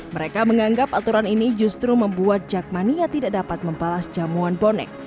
mereka menganggap aturan ini justru membuat jakmania tidak dapat membalas jamuan bonek